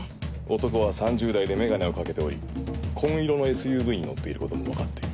男は３０代で眼鏡を掛けており紺色のＳＵＶに乗っていることも分かっている。